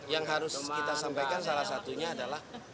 yang harus kita sampaikan salah satunya adalah